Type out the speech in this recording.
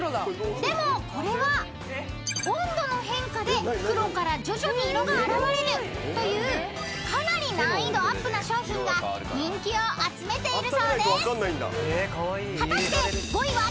［でもこれは温度の変化で黒から徐々に色が現れるというかなり難易度アップな商品が人気を集めているそうです］